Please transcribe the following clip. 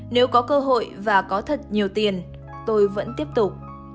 nếu có cơ hội và có thật nhiều tiền tôi vẫn tiếp tục